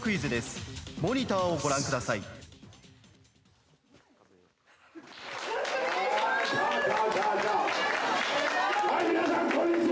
「はい皆さんこんにちは！」